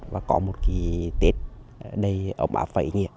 và có một cái tết đây ấm ấm vậy nhỉ